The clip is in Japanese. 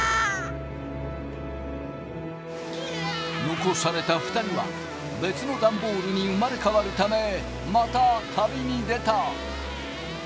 残された２人は別のダンボールに生まれ変わるためまた旅に出た。